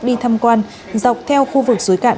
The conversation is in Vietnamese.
đi thăm quan dọc theo khu vực dưới cạn